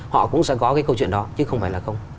họ cũng sẽ có cái câu chuyện đó chứ không phải là không